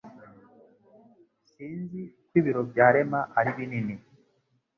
Sinzi uko ibiro bya Rema ari binini